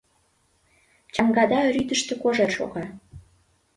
Чаҥгата рӱдыштӧ кожер шога.